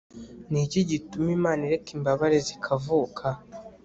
ni iki gituma imana ireka imbabare zikavuka